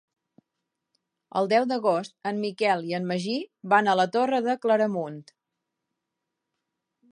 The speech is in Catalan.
El deu d'agost en Miquel i en Magí van a la Torre de Claramunt.